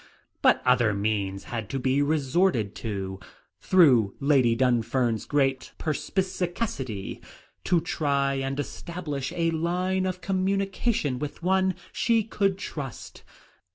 But other means had to be resorted to, through Lady Dunfern's great perspicacity, to try and establish a line of communication with one she could trust.